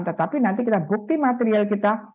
tetapi nanti kita bukti material kita